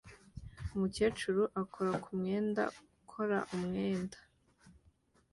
Umukecuru ukora ku mwenda ukora imyenda